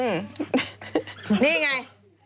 นี่ไง